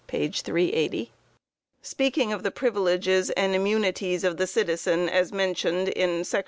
380)_, speaking of the "privileges and immunities" of the citizen, as mentioned in Sec.